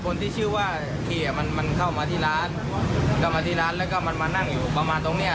คนที่ชื่อว่าขี่อ่ะมันเข้ามาที่ร้านแล้วก็มันมานั่งอยู่ประมาณตรงเนี้ย